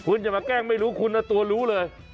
คุณอย่ามาแกล้งไม่รู้คุณนะตัวรู้เลย